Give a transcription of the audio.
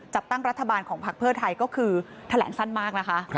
จัดตั้งรัฐบาลของพักเพื่อไทยก็คือแถลงสั้นมากนะคะ